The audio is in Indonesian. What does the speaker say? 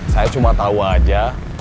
saya cuma tahu aja